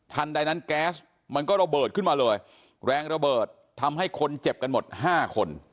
ใดนั้นแก๊สมันก็ระเบิดขึ้นมาเลยแรงระเบิดทำให้คนเจ็บกันหมดห้าคน